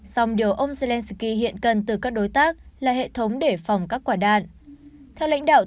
song điều ông zelenskyy hiện cần từ các đối tác là hệ thống để phòng các quả đạn theo lãnh đạo